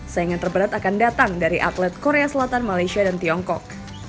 saingan terberat akan datang dari atlet korea selatan malaysia dan tiongkok